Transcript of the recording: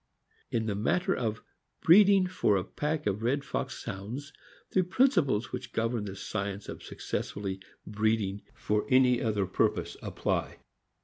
In the matter of breeding for a pack of red fox Hounds, the principles which govern the science of successfully breeding for any other purpose apply.